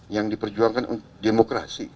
yang diperjuangkan demokrasi